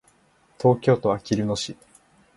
東京都あきる野市